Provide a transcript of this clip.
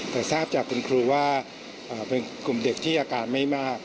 แต่ทราบจากคุณครูว่าเป็นกลุ่มเด็กที่อาการไม่มาก